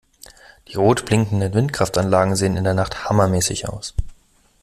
Die rot blinkenden Windkraftanlagen sehen in der Nacht hammermäßig aus!